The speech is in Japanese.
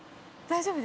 大丈夫？